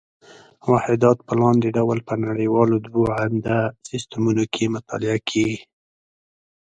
واحدات په لاندې ډول په نړیوالو دوو عمده سیسټمونو کې مطالعه کېږي.